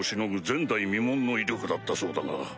前代未聞の威力だったそうだが。